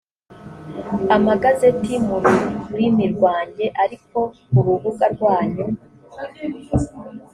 amagazeti mu rurimi rwanjye ariko ku rubuga rwanyu